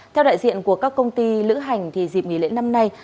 theo đại diện của các công ty lữ hành dịp nghỉ lễ năm nay